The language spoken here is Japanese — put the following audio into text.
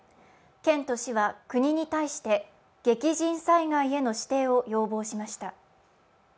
県と市は国に対して激甚災害の指定を要望しました。